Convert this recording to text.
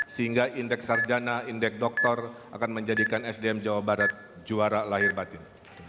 sehingga indeks sarjana indeks doktor akan menjadikan sdm jawa barat juara lahir batin